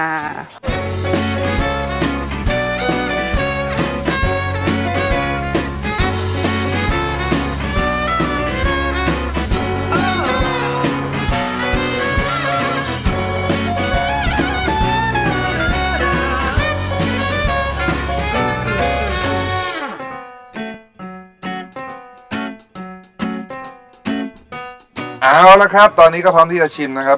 เอาละครับตอนนี้ก็พร้อมที่จะชิมนะครับ